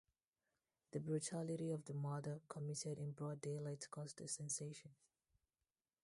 The brutality of the murder, committed in broad daylight, caused a sensation.